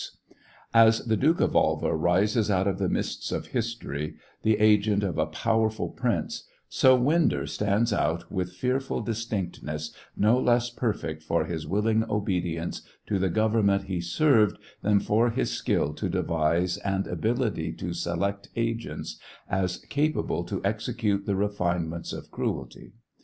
As the Duke of Alva rises out of the mists of history the agent of a powerful prince, so Winder stands out with fearful distinctness no less perfect for his willing obedience to the government he served than for his skill to devise and ability to select agents as capable to execute the refinements of cruelty.